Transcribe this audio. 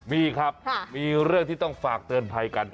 มีครับมีเรื่องที่ต้องฝากเตือนภัยกัน